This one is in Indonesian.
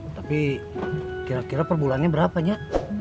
tapi kira kira perbulannya berapanya